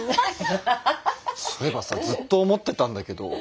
そういえばさずっと思ってたんだけど。